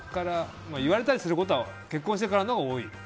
言われたりすることは結婚してからのほうが多い。